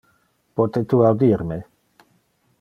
Pote tu audir me?